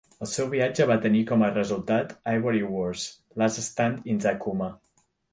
El seu viatge va tenir com a resultat "Ivory Wars: Last Stand in Zakouma".